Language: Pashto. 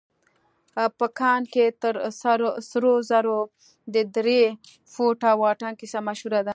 په کان کې تر سرو زرو د درې فوټه واټن کيسه مشهوره ده.